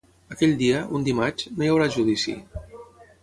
Aquell dia, un dimarts, no hi haurà judici.